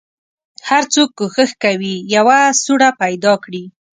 هر څوک کوښښ کوي یوه سوړه پیدا کړي.